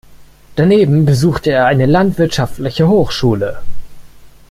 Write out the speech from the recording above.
Daneben besuchte er eine Landwirtschaftliche Hochschule.